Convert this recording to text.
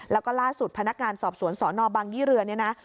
แล้วก็ล่าสุดพนักงานสอบสวนสนบังยี่เรือเนี่ยนะ